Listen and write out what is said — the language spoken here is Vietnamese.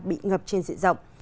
bị ngập trên dịa rộng